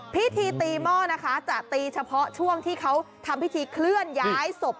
พิธีตีหม้อนะคะจะตีเฉพาะช่วงที่เขาทำพิธีเคลื่อนย้ายศพ